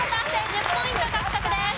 １０ポイント獲得です。